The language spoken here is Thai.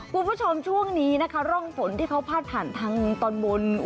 คุณผู้ชมช่วงนี้นะคะร่องฝนที่เขาพาดผ่านทางตอนบน